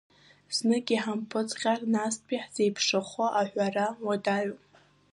Знык иҳампыҵҟьар, настәи ҳзеиԥшрахо аҳәара уадаҩуп.